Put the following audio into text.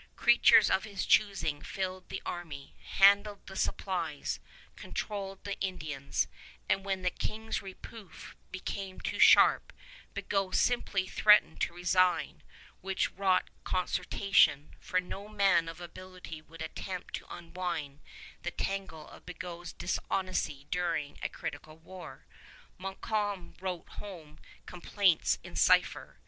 Creatures of his choosing filled the army, handled the supplies, controlled the Indians; and when the King's reproof became too sharp, Bigot simply threatened to resign, which wrought consternation, for no man of ability would attempt to unwind the tangle of Bigot's dishonesty during a critical war. Montcalm wrote home complaints in cipher.